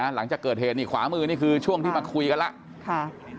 หลังจากเกิดเหตุนี่ขวามือนี่คือช่วงที่มาคุยกันแล้ว